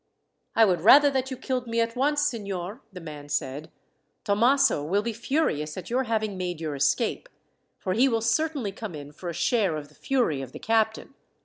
"I would rather that you killed me at once, signor," the man said. "Thomaso will be furious at your having made your escape, for he will certainly come in for a share of the fury of the captain.